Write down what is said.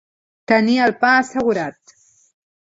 Tenir el pa assegurat.